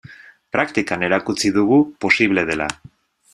Praktikan erakutsi dugu posible dela.